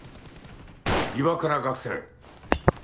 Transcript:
岩倉学生。